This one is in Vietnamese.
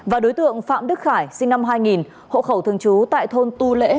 và đối tượng phạm đức khải sinh năm hai nghìn hộ khẩu thường trú tại thôn tu lễ